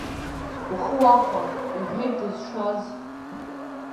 Ухы уахәа, – иҳәеит дызшаз.